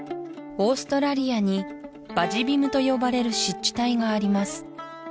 オーストラリアにバジ・ビムと呼ばれる湿地帯があります